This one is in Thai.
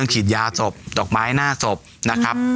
ฉีดยาศพดอกไม้หน้าศพนะครับ